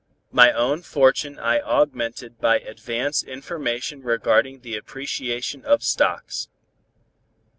My own fortune I augmented by advance information regarding the appreciation of stocks.